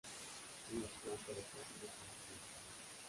Es una planta de fácil establecimiento.